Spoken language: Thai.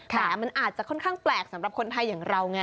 แต่มันอาจจะค่อนข้างแปลกสำหรับคนไทยอย่างเราไง